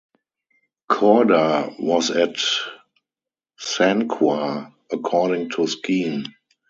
"Corda" was at Sanquhar, according to Skene.